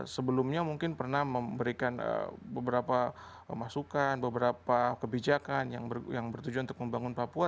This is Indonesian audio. sebelumnya mungkin pernah memberikan beberapa masukan beberapa kebijakan yang bertujuan untuk membangun papua